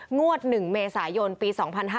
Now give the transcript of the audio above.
งวด๑เมษายนปี๒๕๕๙